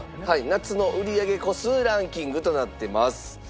夏の売り上げ個数ランキングとなってます。